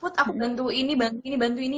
put aku bantu ini bantu ini bantu ini